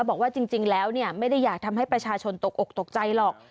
บอกว่าจริงแล้วไม่ได้อยากทำให้ประชาชนตกอกตกใจหรอก